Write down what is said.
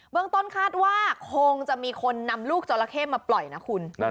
เมืองต้นคาดว่าคงจะมีคนนำลูกจราเข้มาปล่อยนะคุณ